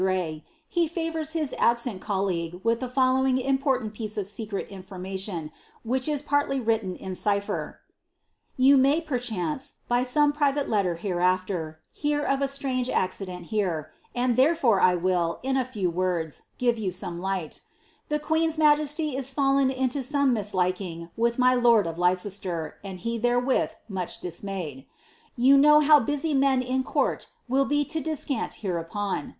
In a foregoing passage of the letter, wherein Cecil relates the disgrace of lady Mary Gray, he favours his absent colleague with the following important piece of secret information, which is partly written in cipher :—^ You may perchance, by some private letter hereafter, hear of a »innge accident here, and therefore I will, hi a few words, give you fome lighL The queen^s majesty is fallen into some misliking with my lord of Leicester, and he therewith much dismayed. You know how busy men in court will be to descant hereupon.